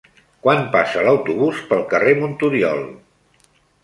Quan passa l'autobús pel carrer Monturiol?